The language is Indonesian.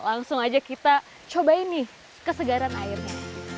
langsung aja kita cobain nih kesegaran airnya